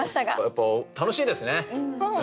やっぱ楽しいですね。